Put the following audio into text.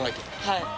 はい。